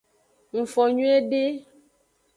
Ngfon nyuiede.